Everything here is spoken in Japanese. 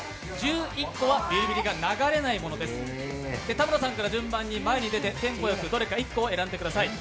田村さんから順番に前に出てテンポよく選んでください。